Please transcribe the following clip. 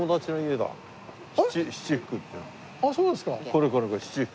これこれこれ七福。